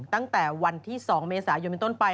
ตั้งแต่วันที่๒เมษายนเป็นต้นไป